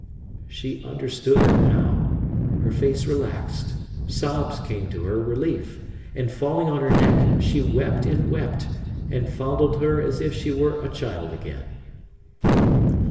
She understood her now. Her face relaxed: sobs came to her relief; and falling on her neck, she wept and wept, and fondled her as if she were a child again.